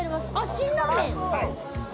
辛ラーメン。